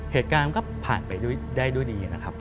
เหตุการณ์ก็ผ่านไปได้ด้วยดีนะครับ